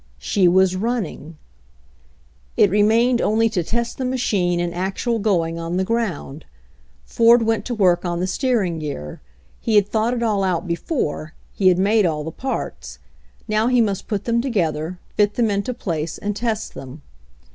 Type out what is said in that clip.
She was running! It remained only to test the machine in actual going on the ground. Ford went to work on the steering gear. He had thought it all out before, he had made all the parts. Now he must put them together, fit them into place and test them.